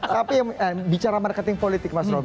tapi bicara marketing politik mas robby